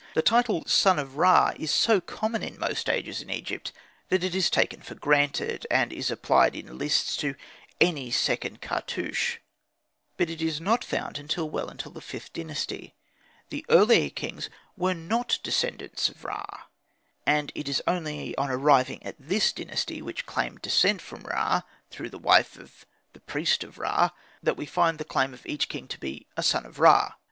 The title "Son of Ra" is so common in most ages in Egypt that it is taken for granted, and is applied in lists to any second cartouche; but it is not found until well into the Vth Dynasty; the earlier kings were not descendants of Ra, and it is only on arriving at this dynasty, which claimed descent from Ra, through the wife of the priest of Ra, that we find the claim of each king to be a "son of Ra."